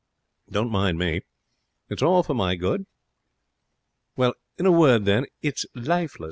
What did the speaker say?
'Don't mind me; it's all for my good.' 'Well, in a word, then, it is lifeless.